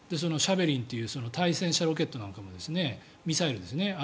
ジャベリンという対戦車ロケットなんかもミサイルですね